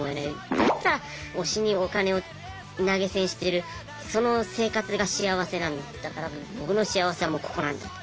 だったら推しにお金を投げ銭してるその生活が幸せなんだから僕の幸せはもうここなんだと。